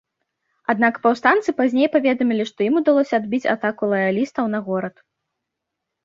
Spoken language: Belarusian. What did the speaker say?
Аднак паўстанцы пазней паведамілі, што ім удалося адбіць атаку лаялістаў на горад.